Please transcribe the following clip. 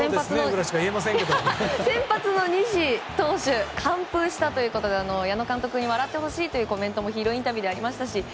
しかも先発の西投手完封したということで矢野監督に笑ってほしいというコメントもヒーローインタビューでありましたし